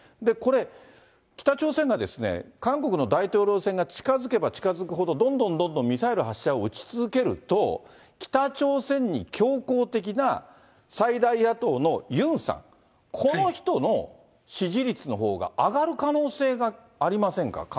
これ、北朝鮮が韓国の大統領選が近づけば近づくほど、どんどんどんどんミサイル発射を打ち続けると、北朝鮮に強硬的な最大野党のユンさん、この人の支持率のほうが上がる可能性がありませんか。